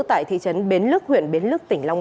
tại thị trấn bến lức huyện bến lức tỉnh long an